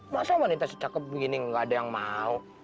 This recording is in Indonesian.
masa wanita secakep begini nggak ada yang mau